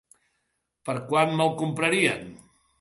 Per quant me'l comprarien?